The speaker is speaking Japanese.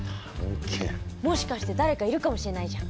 もしかして誰かいるかもしれないじゃん。